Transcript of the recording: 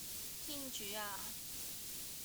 天主呀